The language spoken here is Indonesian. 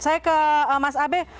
saya ke mas abe